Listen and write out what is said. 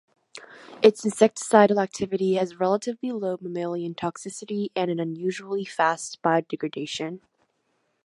Its insecticidal activity has relatively low mammalian toxicity and an unusually fast biodegradation.